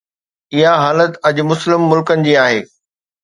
اها حالت اڄ مسلم ملڪن جي آهي